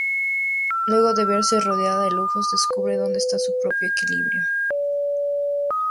Luego de verse rodeada de lujos, descubre dónde está su propio equilibrio.